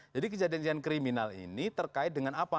jadi kejadian kejadian kriminal ini terkait dengan apa